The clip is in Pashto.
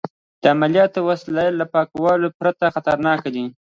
د عملیاتو وسایل له پاکوالي پرته خطرناک دي.